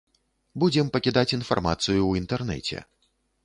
Будзем пакідаць інфармацыю ў інтэрнэце.